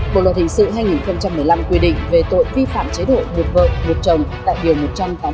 bộ luật hình sự hai nghìn một mươi năm quy định về tội vi phạm chế độ buộc vợ buộc chồng tại điều một trăm tám mươi hai